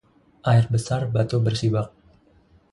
Air besar batu bersibak